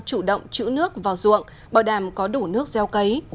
chủ động chữ nước vào ruộng bảo đảm có đủ nước gieo cấy